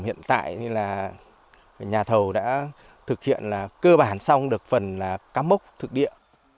hiện tại thì là nhà thầu đã thực hiện là cơ bản xong được phần là cắm mốc thực địa